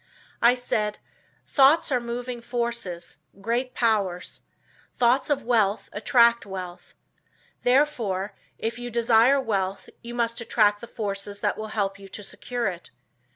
I said: "Thoughts are moving forces; great powers. Thoughts of wealth attract wealth. Therefore, if you desire wealth you must attract the forces that will help you to secure it.